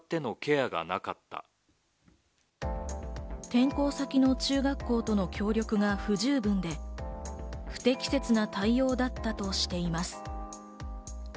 転校先の中学校との協力が不十分で、不適切な対応だったとしています。